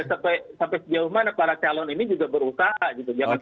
sampai sejauh mana para calon ini juga berusaha gitu